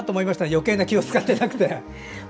余計な気を使っていなくて。